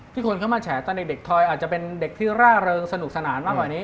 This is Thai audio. คนเข้ามาแฉตอนเด็กทอยอาจจะเป็นเด็กที่ร่าเริงสนุกสนานมากกว่านี้